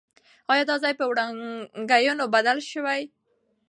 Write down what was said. آیا دا ځای په ورانکاریو بدل سوی؟